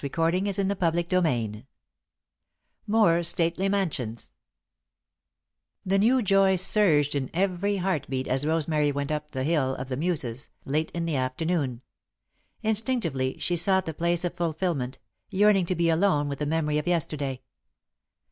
VI More Stately Mansions [Sidenote: A New Point of View] The new joy surged in every heart beat as Rosemary went up the Hill of the Muses, late in the afternoon. Instinctively, she sought the place of fulfilment, yearning to be alone with the memory of yesterday.